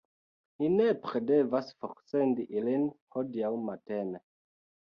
Ni nepre devas forsendi ilin hodiaŭ matene.